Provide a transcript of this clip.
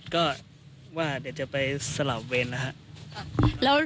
ก็ว่าเดี๋ยวจะไปสลับเวรนะครับ